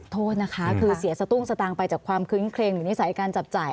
โทษนะคะคือเสียสตุ้งสตางค์ไปจากความคึ้งเครงอยู่นิสัยการจับจ่าย